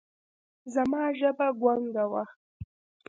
زما ژبه ګونګه وه ـ